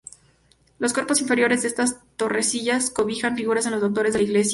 Los cuerpos inferiores de estas torrecillas cobijan figuras de los Doctores de la Iglesia.